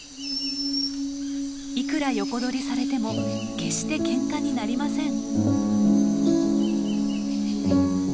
いくら横取りされても決してけんかになりません。